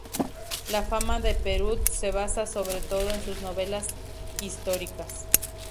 La fama de Perutz se basa sobre todo en sus novelas históricas.